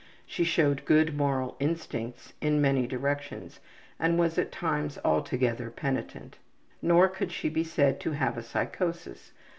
She showed good moral instincts in many directions and was at times altogether penitent. Nor could she be said to have a psychosis.